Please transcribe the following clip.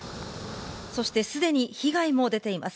そして、すでに被害も出ています。